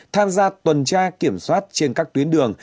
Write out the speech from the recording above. tham gia tuần tra kiểm soát trên các tuyến đường